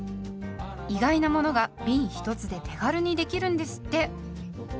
意外なものがびん１つで手軽にできるんですって。